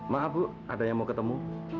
maaf bu ada yang mau ketemu